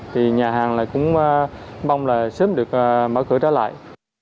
thì nhà hàng cũng mong là sớm được mở cửa trở lại